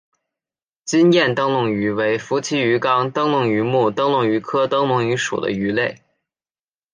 金焰灯笼鱼为辐鳍鱼纲灯笼鱼目灯笼鱼科灯笼鱼属的鱼类。